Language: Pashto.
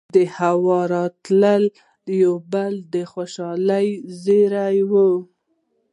دهوا راتلل يو بل د خوشالۍ زېرے وو